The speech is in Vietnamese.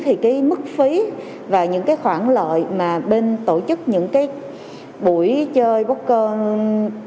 thì cái mức phí và những cái khoản lợi mà bên tổ chức những cái buổi chơi poker